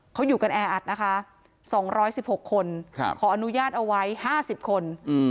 เขาอยู่กันแออัดนะคะสองร้อยสิบหกคนครับขออนุญาตเอาไว้ห้าสิบคนอืม